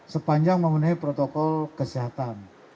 sepanjang memenuhi protokol kesehatan